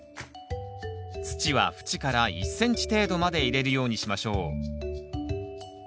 土は縁から１ｃｍ程度まで入れるようにしましょう。